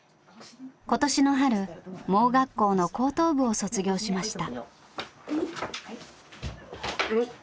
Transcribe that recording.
今年の春盲学校の高等部を卒業しました。